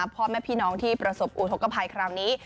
พ่อแม่พี่น้องที่ประสบอุทธกภัยคราวนี้